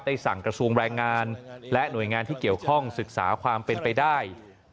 สั่งกระทรวงแรงงานและหน่วยงานที่เกี่ยวข้องศึกษาความเป็นไปได้